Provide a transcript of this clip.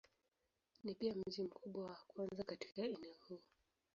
Ni pia mji mkubwa wa kwanza katika eneo huu.